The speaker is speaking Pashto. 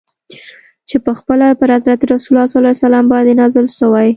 چي پخپله پر حضرت رسول ص باندي نازل سوی.